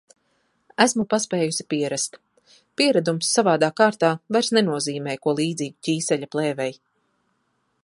Esmu paspējusi pierast. Pieradums, savādā kārtā, vairs nenozīmē ko līdzīgu ķīseļa plēvei.